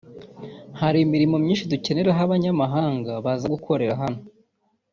Hari imirimo myinshi dukeneraho abanyamahanga baza gukorera hano